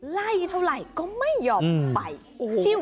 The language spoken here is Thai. ไล่เท่าไรก็ไม่ยอมไป